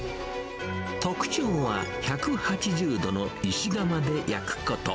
特徴は、１８０度の石窯で焼くこと。